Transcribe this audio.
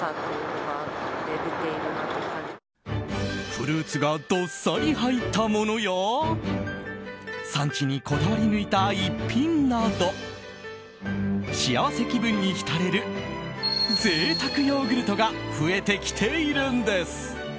フルーツがどっさり入ったものや産地にこだわり抜いた１品など幸せ気分に浸れる贅沢ヨーグルトが増えてきているんです。